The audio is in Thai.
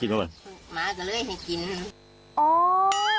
เห้ย